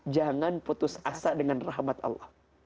jangan putus asa dengan rahmat allah